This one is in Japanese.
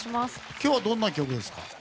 今日はどんな曲ですか？